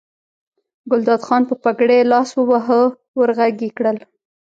ګلداد خان په پګړۍ لاس وواهه ور غږ یې کړل.